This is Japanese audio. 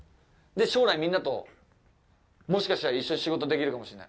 将来みんなともしかしたら一緒に仕事できるかもしれない。